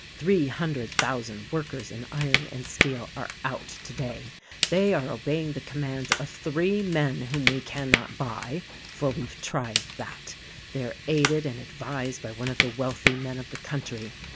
Three hundred thousand workers in iron and steel are out today. They are obeying the commands of three men whom we cannot buy (for we've tried that); they are aided and advised by one of the wealthy men of the country.